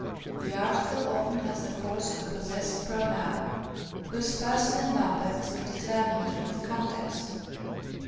The article often has the force of a possessive pronoun, whose person and number must be determined from the context.